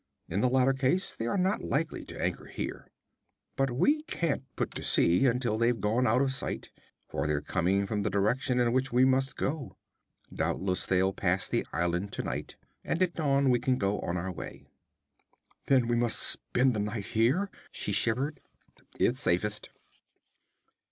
In the latter case they are not likely to anchor here. But we can't put to sea until they've gone out of sight, for they're coming from the direction in which we must go. Doubtless they'll pass the island tonight, and at dawn we can go on our way.' 'Then we must spend the night here?' she shivered. 'It's safest.'